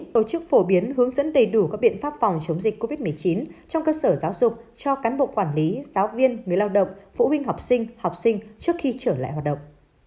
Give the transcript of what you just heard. tổ chức phổ biến hướng dẫn đầy đủ các biện pháp phòng chống dịch covid một mươi chín trong cơ sở giáo dục cho cán bộ quản lý giáo viên người lao động phụ huynh học sinh học sinh trước khi trở lại hoạt động